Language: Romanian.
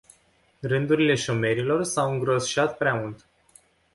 Rândurile șomerilor s-au îngroșat prea mult.